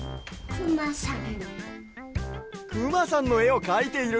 くまさん